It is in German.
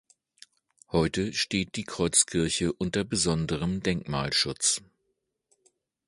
Heute steht die Kreuzkirche unter besonderem Denkmalschutz.